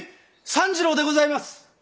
三次郎でございます。